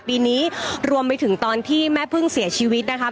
ปีนี้รวมไปถึงตอนที่แม่พึ่งเสียชีวิตนะคะ